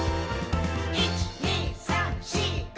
「１．２．３．４．５．」